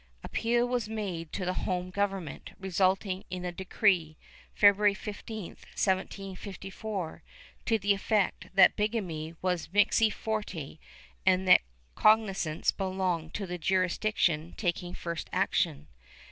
Appeal was made to the home government, resulting in a decree, February 18, 1754, to the effect that bigamy was ynixti fori and that cognizance belonged to the jurisdiction taking first action.